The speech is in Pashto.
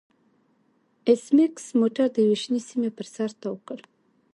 ایس میکس موټر د یوې شنې سیمې پر سر تاو کړ